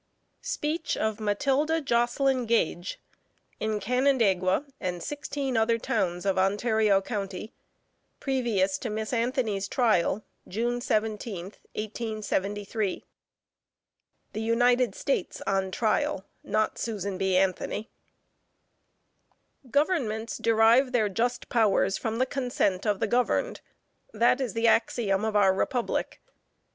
SPEECH OF MATILDA JOSLYN GAGE, In Canandaigua and 16 other towns of Ontario county, previous to Miss Anthony's Trial, June 17th, 1873. THE UNITED STATES ON TRIAL; not SUSAN B. ANTHONY. Governments derive their just powers from the consent of the governed. That is the axiom of our republic.